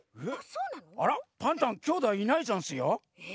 あらっパンタンきょうだいいないざんすよ。